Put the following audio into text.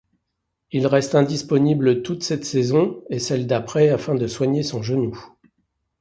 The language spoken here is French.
Il reste indisponible toute cette saison et celle d'après afin de soigner son genou.